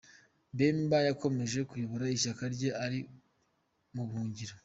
Bemba yakomeje kuyobora ishyaka rye ari mu buhungiro.